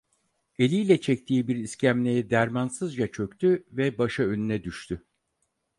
Eliyle çektiği bir iskemleye dermansızca çöktü ve başı önüne düştü.